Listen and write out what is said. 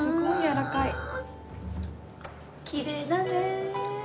きれいだね。